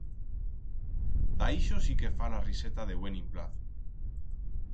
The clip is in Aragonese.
Ta ixo sí que fa la riseta de buen implaz.